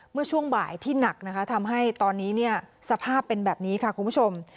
เมื่อช่วงบ่ายที่หนักนะคะทำให้ตอนนี้สภาพเป็นแบบนี้ค่ะคุณผู้ชม